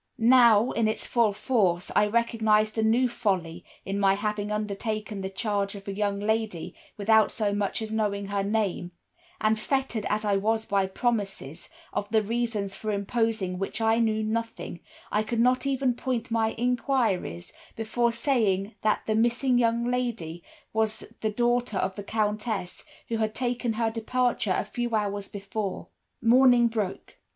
"Now, in its full force, I recognized a new folly in my having undertaken the charge of a young lady without so much as knowing her name; and fettered as I was by promises, of the reasons for imposing which I knew nothing, I could not even point my inquiries by saying that the missing young lady was the daughter of the Countess who had taken her departure a few hours before. "Morning broke.